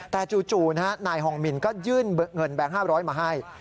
แต่จู่นายฮองมินก็ยื่นเงินแบงค์๕๐๐มาให้